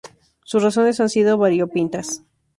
Sus razones han sido variopintas